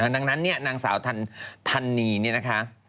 ดังนั้นเนี่ยนางสาวธันนีเนี่ยนะคะ